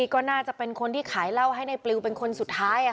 ก็น่าจะเป็นคนที่ขายเหล้าให้ในปลิวเป็นคนสุดท้าย